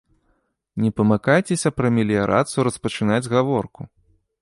Не памыкайцеся пра меліярацыю распачынаць гаворку!